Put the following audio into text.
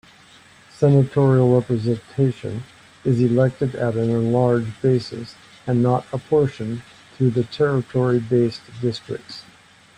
Senatorial representation is elected at an at-large basis and not apportioned through territory-based districts.